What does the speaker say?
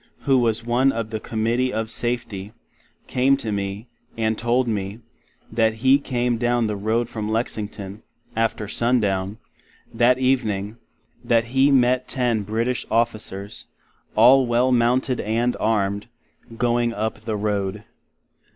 who was one of the Committee of Safty, came to me, and told me, that he came down the Road from Lexington, after Sundown, that evening; that He met ten British Officers, all well mounted, and armed, going up the Road.